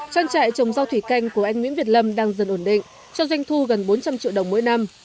trang trại trồng rau thủy canh của anh nguyễn việt lâm đang dần ổn định cho doanh thu gần bốn trăm linh triệu đồng mỗi năm